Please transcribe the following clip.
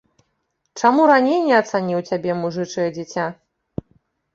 Чаму раней не ацаніў цябе, мужычае дзіця?